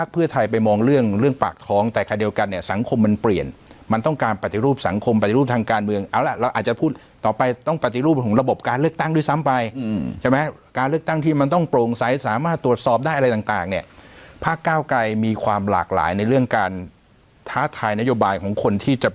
เพื่อไทยไปมองเรื่องเรื่องปากท้องแต่คราวเดียวกันเนี่ยสังคมมันเปลี่ยนมันต้องการปฏิรูปสังคมปฏิรูปทางการเมืองเอาล่ะเราอาจจะพูดต่อไปต้องปฏิรูปของระบบการเลือกตั้งด้วยซ้ำไปใช่ไหมการเลือกตั้งที่มันต้องโปร่งใสสามารถตรวจสอบได้อะไรต่างเนี่ยภาคเก้าไกรมีความหลากหลายในเรื่องการท้าทายนโยบายของคนที่จะ